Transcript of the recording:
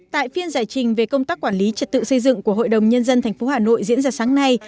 tại phiên giải trình về công tác quản lý trật tự xây dựng của hội đồng nhân dân tp hà nội diễn ra sáng nay